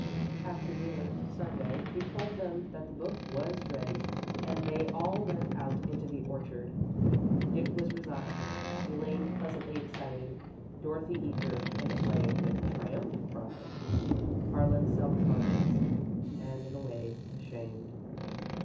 After dinner, Sunday, he told them that the book was ready, and they all went out into the orchard. Dick was resigned, Elaine pleasantly excited, Dorothy eager and aflame with triumphant pride, Harlan self conscious, and, in a way, ashamed.